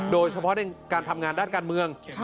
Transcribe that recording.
โดยเฉพาะในการทำงานด้านการเมือง